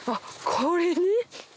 氷に！